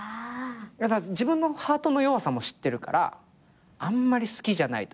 自分のハートの弱さも知ってるからあんまり好きじゃないというか。